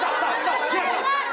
tengok tengok tengok tengok